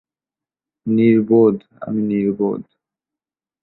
নির্বোধ, আমি নির্বোধ।